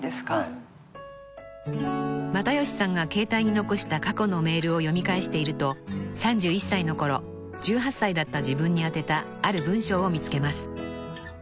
［又吉さんが携帯に残した過去のメールを読み返していると３１歳のころ１８歳だった自分に宛てたある文章を見つけます］